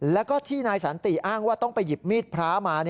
แล้วก็ที่นายสันติอ้างว่าต้องไปหยิบมีดพระมา